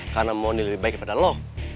karena mondi lebih baik daripada lo